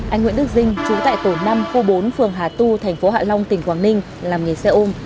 anh nguyễn đức dinh chú tại tổ năm khu bốn phường hà tu thành phố hạ long tỉnh quảng ninh làm nghề xe ôm